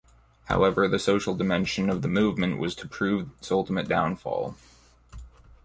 However, the social dimension of the movement was to prove its ultimate downfall.